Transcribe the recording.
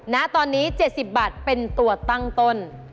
ณตอนนี้๗๐บาทเป็นตัวตั้งต้น